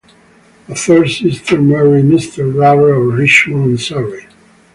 A third sister married Mister Darrel of Richmond in Surrey.